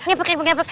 nyepuk nyepuk nyepuk